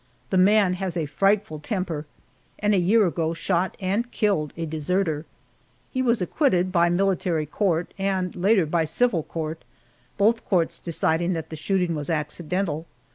The man has a frightful temper, and a year ago shot and killed a deserter. He was acquitted by military court, and later by civil court, both courts deciding that the shooting was accidental.